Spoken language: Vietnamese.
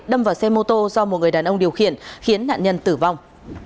đâm vào xe mô tô do một người đàn ông điều khiển khiến nạn nhân tử vong